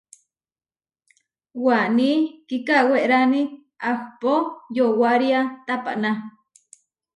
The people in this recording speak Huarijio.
Waní kikawérani ahpó yowária tapaná.